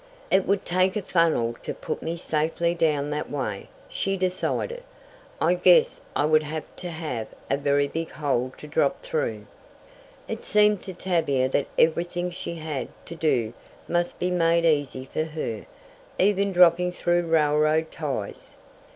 "It would take a funnel to put me safely down that way," she decided. "I guess I would have to have a very big hole to drop through." It seemed to Tavia that everything she had to do must be made easy for her, even dropping through railroad ties!